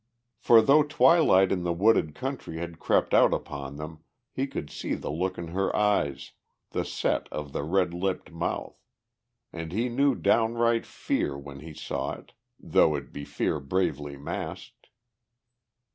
For though twilight in the wooded country had crept out upon them he could see the look in her eyes, the set of the red lipped mouth. And he knew downright fear when he saw it, though it be fear bravely masked.